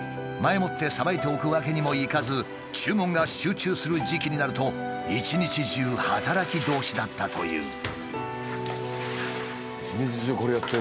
前もってさばいておくわけにもいかず注文が集中する時期になると一日中働きどおしだったという。